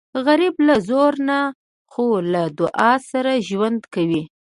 غریب له زوره نه خو له دعا سره ژوند کوي